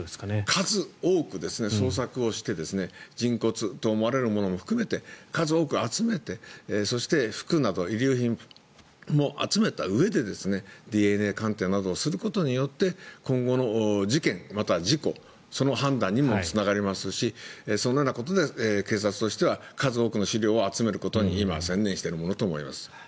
数多く捜索して人骨と思われるものも含めて数多く集めて服など遺留品も集めたうえでＤＮＡ鑑定などをすることによって今後、事件または事故その判断にもつながりますしそのようなことで警察としては数多くの資料に専念しているものと思われます。